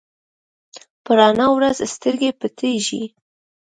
په رڼا ورځ سترګې پټېږي.